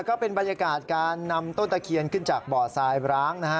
ก็เป็นบรรยากาศการนำต้นตะเคียนขึ้นจากบ่อทรายร้างนะฮะ